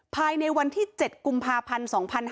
ภายในวันที่๗กุมภาพันธ์๒๕๕๙